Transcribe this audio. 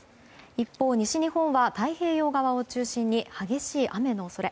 一方西日本は太平洋側を中心に激しい雨の恐れ。